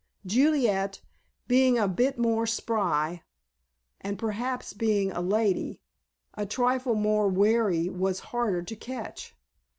Juliet, being a bit more spry, and perhaps, being a lady, a trifle more wary, was harder to catch.